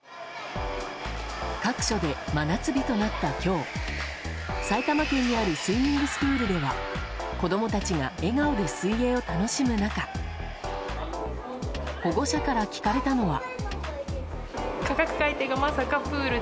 各所で真夏日となった今日埼玉県にあるスイミングスクールでは子供たちが笑顔で水泳を楽しむ中保護者から聞かれたのは。